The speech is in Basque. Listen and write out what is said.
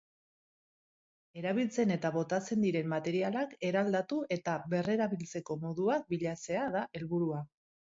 Erabiltzen eta botatzen diren materialak eraldatu eta berrerabiltzeko moduak bilatzea da helburua.